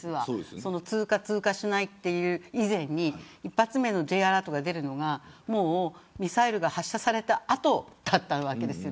通過するかしないか以前に１発目のＪアラートが出るのがミサイルが発射された後だったわけです。